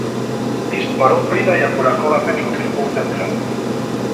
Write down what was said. Disparó Prida y afuracó dafechu'l círculu central.